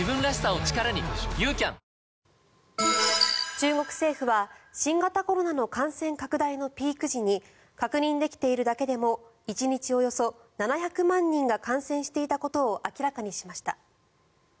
中国政府は新型コロナの感染拡大のピーク時に確認できているだけでも１日およそ７００万人が感染していたことを明らかにしました。